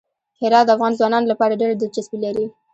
هرات د افغان ځوانانو لپاره ډېره دلچسپي لري.